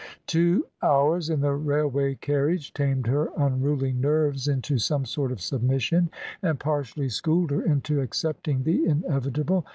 Two hours in the railway carriage tamed her unruly nerves into some sort of submission, and partially schooled her into accepting the inevitable.